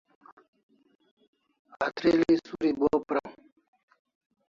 Atril'i suri bo praw